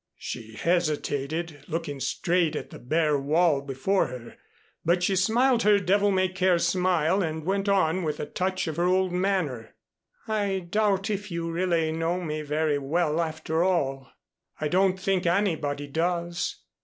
She hesitated, looking straight at the bare wall before her, but she smiled her devil may care smile and went on with a touch of her old manner. "I doubt if you really know me very well after all. I don't think anybody does.